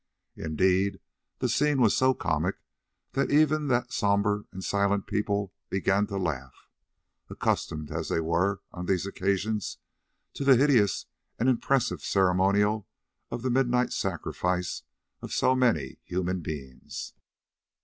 Indeed the scene was so comic that even that sombre and silent people began to laugh, accustomed as they were on these occasions to the hideous and impressive ceremonial of the midnight sacrifice of so many human beings.